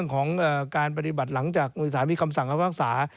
ของการปฏิบัติหลังจากสามีคำสั่งความฝักษา